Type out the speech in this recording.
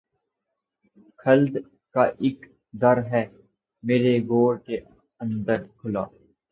خلد کا اک در ہے میری گور کے اندر کھلا